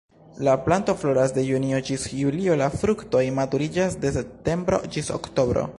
La planto floras de junio ĝis julio, la fruktoj maturiĝas de septembro ĝis oktobro.